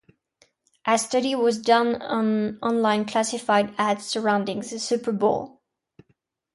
A study was done on online classified ads surrounding the Super Bowl.